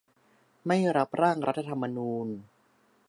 ไม่รับร่างรัฐธรรมนูญ